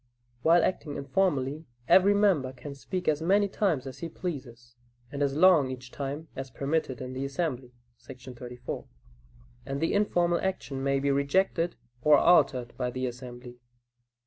While acting informally, every member can speak as many times as he pleases, and as long each time as permitted in the assembly [§ 34], and the informal action may be rejected or altered by the assembly.